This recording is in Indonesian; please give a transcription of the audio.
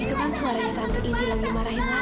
itu kan suaranya tante ini lagi marahin